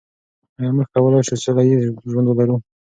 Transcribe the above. آیا موږ کولای شو سوله ییز ژوند ولرو؟